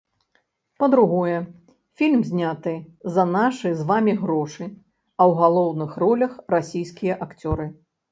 Па-другое, фільм зняты за нашы з вамі грошы, а ў галоўных ролях расійскія акцёры.